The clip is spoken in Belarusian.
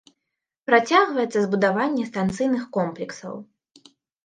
Працягваецца збудаванне станцыйных комплексаў.